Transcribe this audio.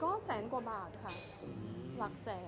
ก็แสนกว่าบาทค่ะหลักแสน